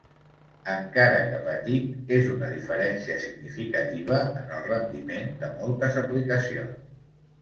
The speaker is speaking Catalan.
Encara que petit, és una diferència significativa en el rendiment de moltes aplicacions.